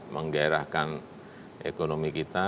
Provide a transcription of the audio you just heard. menggerahkan ekonomi kita